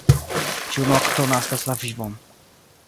Ĉiu nokto naskas la vivon.